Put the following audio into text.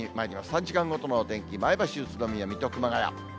３時間ごとのお天気、前橋、宇都宮、水戸、熊谷。